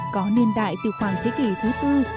có niên đại từ khoảng thế kỷ thứ tư